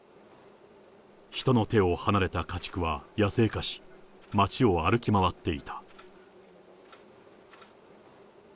人の手を離れた家畜は野生化し、町を歩き回っていた。